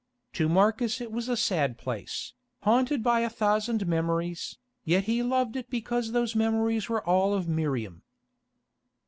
To Marcus it was a sad place, haunted by a thousand memories, yet he loved it because those memories were all of Miriam.